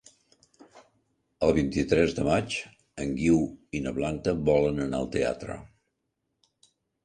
El vint-i-tres de maig en Guiu i na Blanca volen anar al teatre.